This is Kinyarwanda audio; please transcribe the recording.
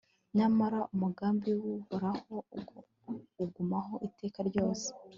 nyamara umugambi w'uhoraho ugumaho iteka ryose